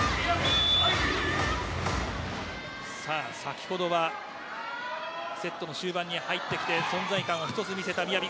先ほどはセットの終盤に入ってきて存在感を見せた宮部。